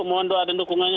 mohon doa dan dukungannya